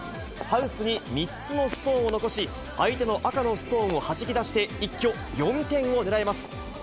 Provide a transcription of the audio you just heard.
ハウスに３つのストーンを残し、相手の赤のストーンをはじき出して、一挙４点をねらいます。